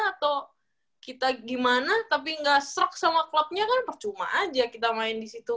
atau kita gimana tapi gak stroke sama klubnya kan percuma aja kita main di situ